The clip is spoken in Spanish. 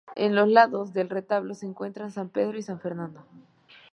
En los lados del retablo se encuentran San Pedro y San Fernando.